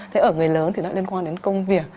thế ở người lớn thì nó liên quan đến công việc